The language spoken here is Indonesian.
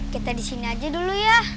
kita di sini aja dulu ya